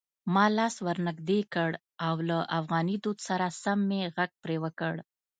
ما لاس ور نږدې کړ او له افغاني دود سره مې غږ پرې وکړ: